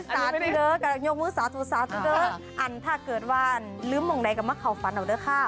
อ๋อสาธิเกิ๊กยกมือสาธิเกิ๊กอันถ้าเกิดวันลืมหลงใดกับมะเขาฟันเอาเด้อข้าว